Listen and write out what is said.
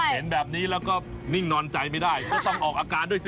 เห็นแบบนี้แล้วก็นิ่งนอนใจไม่ได้ก็ต้องออกอาการด้วยสิ